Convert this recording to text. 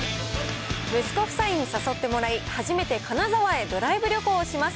息子夫妻に誘ってもらい、初めて金沢へドライブ旅行をします。